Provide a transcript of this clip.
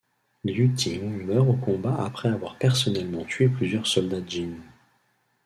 Liu Ting meurt au combat après avoir personnellement tué plusieurs soldats Jin.